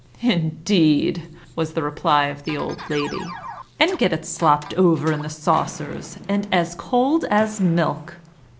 "Indeed!" was the reply of the old lady; "and get it slopped over in the saucers, and as cold as milk!